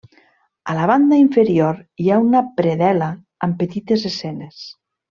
A la banda inferior, hi ha una predel·la amb petites escenes.